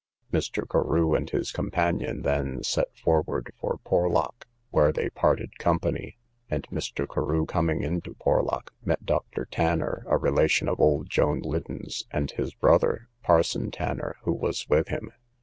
Mr. Carew and his companion then set forward for Porlock, where they parted company; and Mr. Carew coming into Porlock, met Dr. Tanner, a relation of old Joan Liddon's, and his brother, Parson Tanner, who was with him.